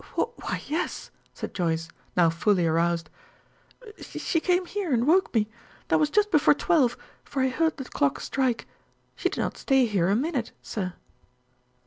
"Why, yes," said Joyce, now fully aroused. "She came here and woke me. That was just before twelve, for I heard the clock strike. She did not stay here a minute, sir."